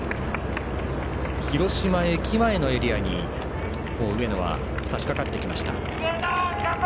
広島駅前のエリアに上野はさしかかってきました。